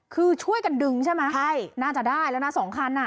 คือช่วยกันดึงใช่ไหมน่าจะได้แล้วนะ๒คัน